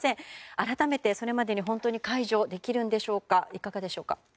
改めて、それまでに本当に解除できるんでしょうか。